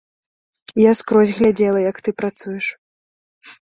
Я скрозь глядзела, як ты працуеш.